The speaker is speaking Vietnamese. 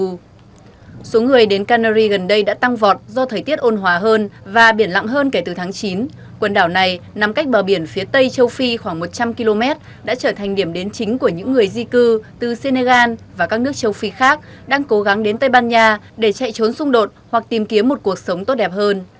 nhiều người đến canary gần đây đã tăng vọt do thời tiết ôn hòa hơn và biển lặng hơn kể từ tháng chín quần đảo này nằm cách bờ biển phía tây châu phi khoảng một trăm linh km đã trở thành điểm đến chính của những người di cư từ senegal và các nước châu phi khác đang cố gắng đến tây ban nha để chạy trốn xung đột hoặc tìm kiếm một cuộc sống tốt đẹp hơn